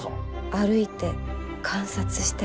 歩いて観察して。